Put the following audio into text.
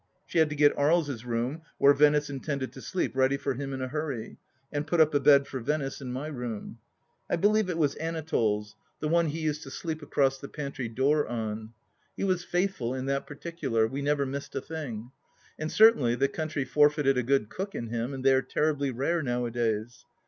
She had to get Aries' room, where Venice intended to sleep, ready for him in a hurry, and put up a bed for Venice in my room. I believe it was Anatole's — ^the one he used to 10 146 THE LAST DITCH sleep across the pantry door on. He was faithful in that particular; we never missed a thing. And certainly the country forfeited a good cook in him, and they are terribly rare nowadays.